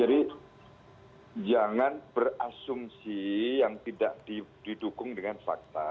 jadi jangan berasumsi yang tidak didukung dengan fakta